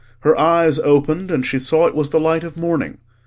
Her eyes opened and she saw it was the light of morning.